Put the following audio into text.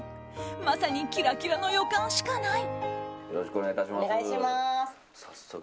まさにキラキラの予感しかない！